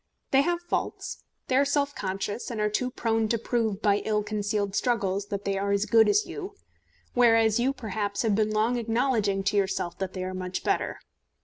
They have faults. They are self conscious, and are too prone to prove by ill concealed struggles that they are as good as you, whereas you perhaps have been long acknowledging to yourself that they are much better.